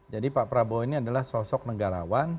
jadi pak prabowo ini adalah sosok negarawan